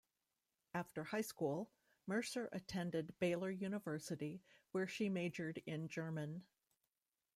After high school, Mercer attended Baylor University, where she majored in German.